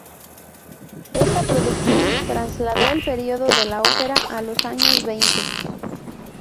Esta producción trasladó el período de la ópera a los años veinte.